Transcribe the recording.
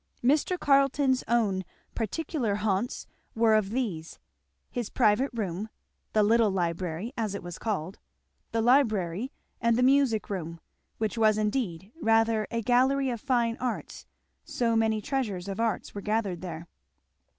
Mr. Carleton's own particular haunts were of these; his private room, the little library as it was called, the library, and the music room, which was indeed rather a gallery of fine arts, so many treasures of art were gathered there.